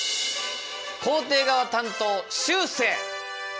肯定側担当しゅうせい！